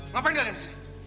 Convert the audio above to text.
ngapain kalian besar